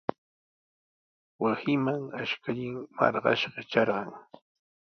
Wasinman ashkallan marqashqa trarqan.